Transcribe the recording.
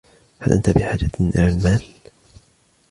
هل أنت بحاجة إلى المال ؟